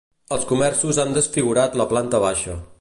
Els comerços han desfigurat la planta baixa.